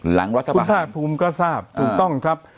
หลังรัฐบาลคุณภาคภูมิก็ทราบถูกต้องครับ